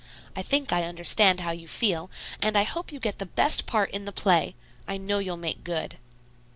I think I understand how you feel, and I hope you get the best part in the play. I know you'll make good."